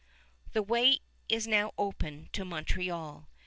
The way is now open to Montreal.